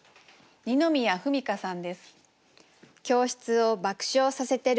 二宮史佳さんです。